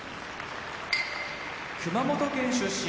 熊本県出身